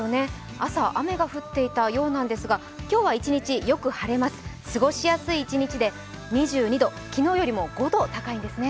朝、雨が降っていたようなんですが今日は一日よく晴れます、過ごしやすい一日で２２度、昨日よりも５度高いんですね。